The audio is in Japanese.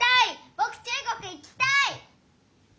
ぼく中国行きたい！